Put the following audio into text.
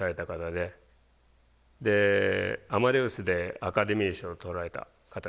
で「アマデウス」でアカデミー賞を取られた方です。